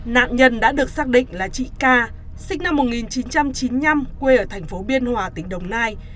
nạn nhân đã được xác định là chị ca sinh năm một nghìn chín trăm chín mươi năm quê ở thành phố biên hòa tỉnh đồng nai